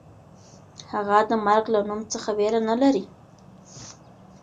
هغه د مرګ له نوم څخه وېره نه لري.